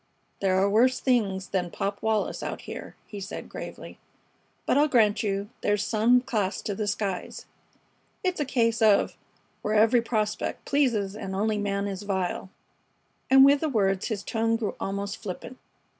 "There are worse things than Pop Wallis out here," he said, gravely. "But I'll grant you there's some class to the skies. It's a case of 'Where every prospect pleases and only man is vile.'" And with the words his tone grew almost flippant.